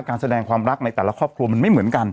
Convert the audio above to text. การแสดงความรักในแต่ละครอบครัวมันไม่เหมือนกัน